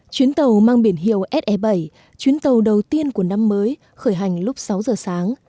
chuyến tàu mang biển hiệu se bảy chuyến tàu đầu tiên của năm mới khởi hành lúc sáu giờ sáng